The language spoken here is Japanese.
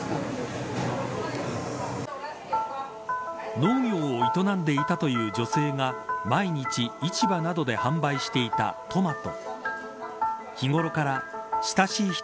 農業を営んでいたという女性が毎日市場などで販売していたトマト。